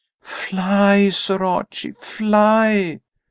"Fly, Sir Archie, fly!"